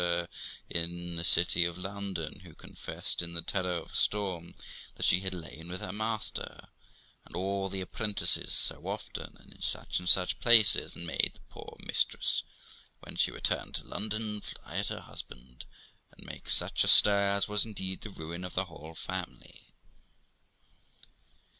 r, in in the city of London, who confessed, in the terror of a storm, that she had lain with her master, and all the apprentices, so often, and in such and such places, and made the poor mistress, when she returned to London, fly at her husband, and make such a stir as was indeed the ruin of the whole family.